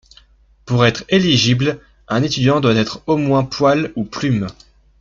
Pour être éligible, un étudiant doit être au moins Poil ou Plume.